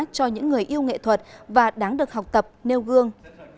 cho những người yêu nghệ thuật và đáng được học tập nêu gương